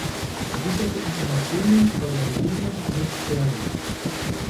Gesicherte Informationen über seine Jugend sind spärlich.